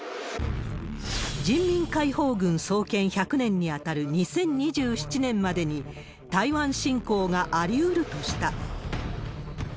人民解放軍創建１００年に当たる２０２７年までに、台湾侵攻がありうるとした。